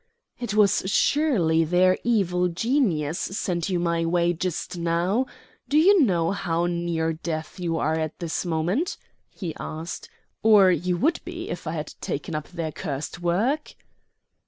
"It was surely their evil genius sent you my way just now. Do you know how near death you are at this moment?" he asked; "or you would be, if I had taken up their cursed work."